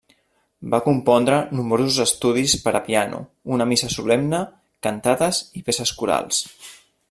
Va compondre nombrosos estudis per a piano, una missa solemne, cantates i peces corals.